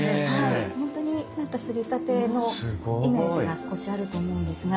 なんか摺りたてのイメージが少しあると思うんですが。